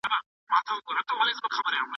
تاسو مه ځئ هغه ځای ته چې هلته ګناه کیږي.